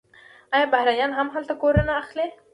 آیا بهرنیان هم هلته کورونه نه اخلي؟